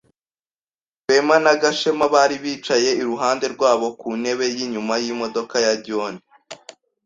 Rwema na Gashema bari bicaye iruhande rwabo ku ntebe yinyuma yimodoka ya John.